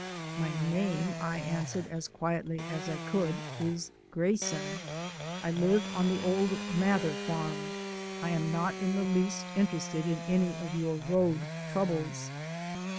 "My name," I answered as quietly as I could, "is Grayson. I live on the old Mather farm. I am not in the least interested in any of your road troubles."